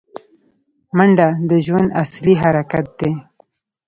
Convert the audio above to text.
منډه د ژوند اصلي حرکت دی